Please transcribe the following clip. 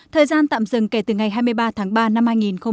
thời gian tạm dừng kể từ ngày hai mươi ba tháng ba năm hai nghìn hai mươi